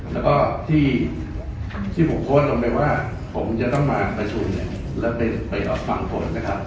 และที่ผมโค้ดลงไปว่าผมจะต้องมาประสุนและไปรอบฝั่งคน